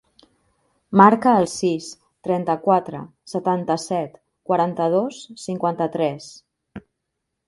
Marca el sis, trenta-quatre, setanta-set, quaranta-dos, cinquanta-tres.